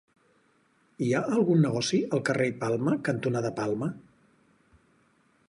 Hi ha algun negoci al carrer Palma cantonada Palma?